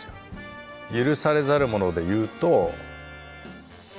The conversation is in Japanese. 「許されざる者」でいうと。